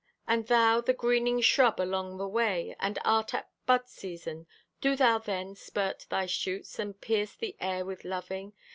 And thou, the greening shrub along the way, And earth at bud season, Do thou then spurt thy shoots And pierce the air with loving!